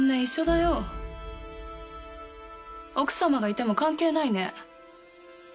奥様がいても関係ないね。